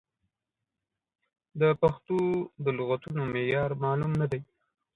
د پښتو د لغتونو معیار معلوم نه دی.